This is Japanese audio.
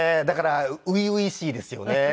だから初々しいですよね。